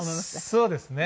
そうですね。